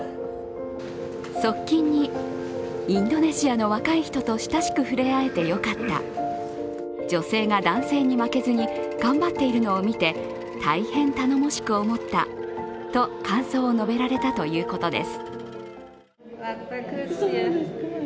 側近に、インドネシアの若い人と親しく触れ合えて良かった女性が男性に負けずに頑張っているのを見て大変頼もしく思ったと感想を述べられたということです。